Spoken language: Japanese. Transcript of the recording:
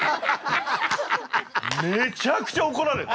めちゃくちゃおこられた。